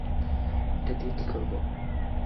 এটা দিয়ে কি করবো?